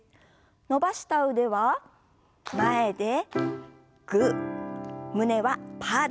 伸ばした腕は前でグー胸はパーです。